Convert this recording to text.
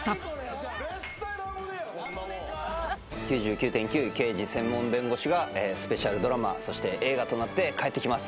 「９９．９−刑事専門弁護士−」がスペシャルドラマそして映画となって帰ってきます